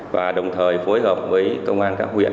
và đồng thời phối hợp với công an các huyện